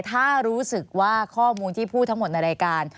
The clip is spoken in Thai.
ถ้ารู้สึกว่าข้อมูลที่พูดทั้งหมดในรายการ